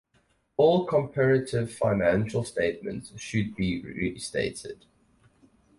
All comparative financial statements should be restated.